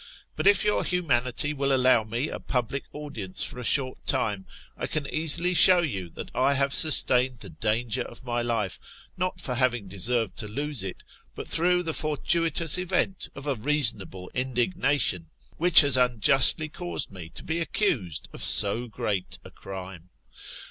But if your humanity will allow me a public audience for a short time, I can easily show you that I have sustained the danger of my life, not for having deserved to lose it, but through the fortuitous event of a reasonable indignation, which has unjustly caused me to be accused of so great a crime.